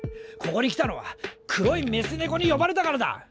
ここに来たのは黒いメス猫に呼ばれたからだ。